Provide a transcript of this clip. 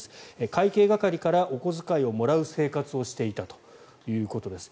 会計係からお小遣いをもらう生活をしていたということです。